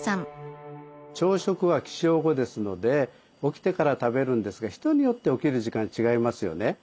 朝食は起床後ですので起きてから食べるんですが人によって起きる時間違いますよね。